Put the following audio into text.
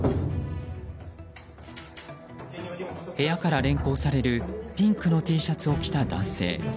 部屋から連行されるピンクのＴシャツを着た男性。